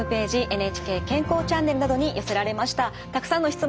「ＮＨＫ健康チャンネル」などに寄せられましたたくさんの質問